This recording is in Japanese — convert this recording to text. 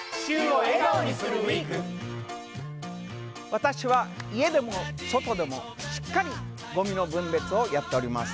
私は家でも外でもしっかりごみの分別をやっております。